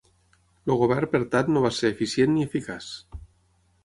El govern per tant no va ser eficient ni eficaç.